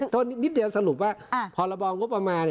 โทษนิดเดียวสรุปว่าพอระบอมกบมา